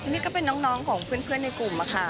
นี่ก็เป็นน้องของเพื่อนในกลุ่มค่ะ